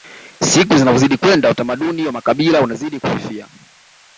siku zinavyozidi kwenda utamaduni wa makabila unazidi kufifia